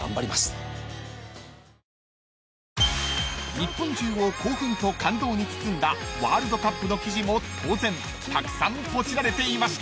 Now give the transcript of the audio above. ［日本中を興奮と感動に包んだワールドカップの記事も当然たくさんポチられていました］